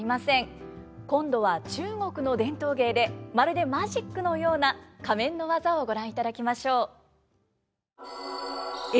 今度は中国の伝統芸でまるでマジックのような仮面の技をご覧いただきましょう。